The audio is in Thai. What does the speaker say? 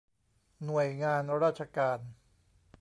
หน่วยงานราชการ